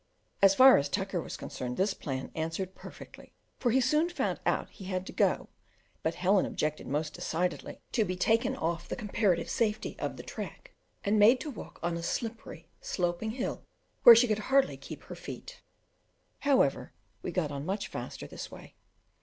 As far as Tucker was concerned this plan answered perfectly, for he soon found out he had to go; but Helen objected most decidedly to being taken off the comparative safety of the track and made to walk on a slippery, sloping hill, where she could hardly keep her feet; however, we got on much faster this way.